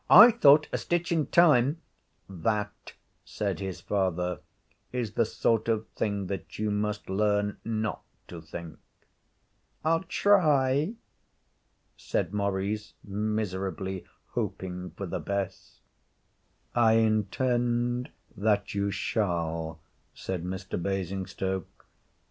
'I thought a stitch in time ' 'That,' said his father, 'is the sort of thing that you must learn not to think.' 'I'll try,' said Maurice, miserably hoping for the best. 'I intend that you shall,' said Mr. Basingstoke.